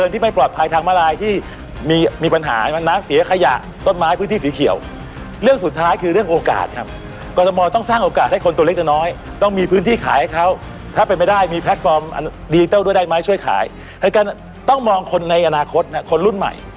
ต้องมีคนตัวเล็กแต่น้อยต้องมีพื้นที่ขายให้เขาถ้าเป็นไม่ได้มีแพลตฟอร์มดีเติลด้วยได้ไหมช่วยขายแล้วกันต้องมองคนในอนาคตคนรุ่นใหม่